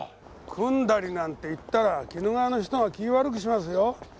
「くんだり」なんて言ったら鬼怒川の人が気悪くしますよ。